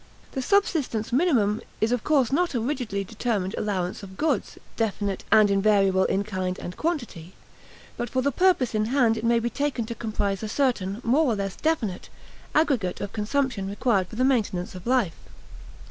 The subsistence minimum is of course not a rigidly determined allowance of goods, definite and invariable in kind and quantity; but for the purpose in hand it may be taken to comprise a certain, more or less definite, aggregate of consumption required for the maintenance of life.